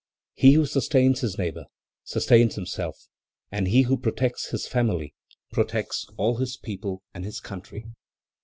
"He who sustains his neighbor, sustains himself; and he who protects his family, protects all his people and his country.